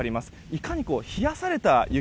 いかに冷やされた雪